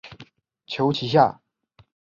求其下